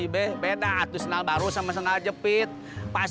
buat gue udah lapar